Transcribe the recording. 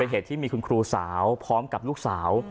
เหตุที่มีคุณครูสาวพร้อมกับลูกสาว